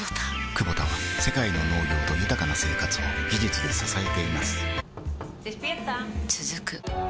クボタは世界の農業と豊かな生活を技術で支えています起きて。